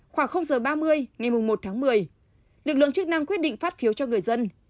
khoảng giờ ba mươi ngày một tháng một mươi lực lượng chức năng quyết định phát phiếu cho người dân